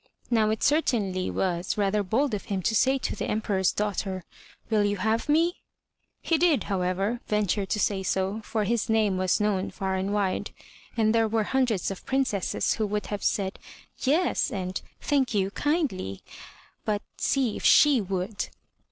Now it certainly was rather bold of him to say to the Em peror's daughter, *'Will you have me?*' He did, however, venture to say so, for his name was known far and wide; and there were hundreds of Princesses who would have said '*Yes,*' and *Thank you, kindly," but see if she would!